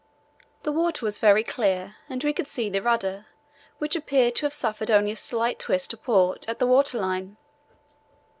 The water was very clear and we could see the rudder, which appeared to have suffered only a slight twist to port at the water line.